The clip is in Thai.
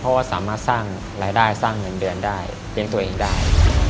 เพราะว่าสามารถสร้างรายได้สร้างเงินเดือนได้เลี้ยงตัวเองได้